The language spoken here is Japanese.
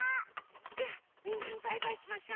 じゃあみんなにバイバイしましょ！